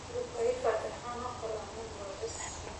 اروپایي فاتحانو غلامان وارد کړل.